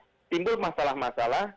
kadang kadang timbul masalah masalah